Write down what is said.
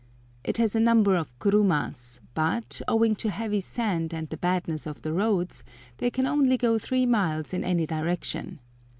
It has a number of kurumas, but, owing to heavy sand and the badness of the roads, they can only go three miles in any direction.